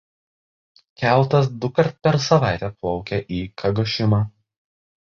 Keltas dukart per savaitę plaukia į Kagošimą.